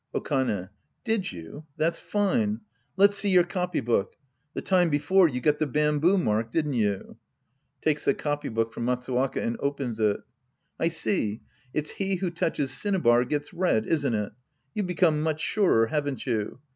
Okane. Did you ? That's fine. Let's see your copy book ; the time before, you got the bamboo mark, ^idn't you ? (Takes the copy book from Matsu" WAKA and opens tt.) I see, it's " He who touches cinnabar, gets red," isn't it ? You've become much surer, haven't you?